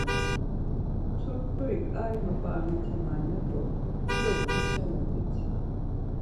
Turkuri ǩai map̌aramitenan ya do dido vixelet̆it.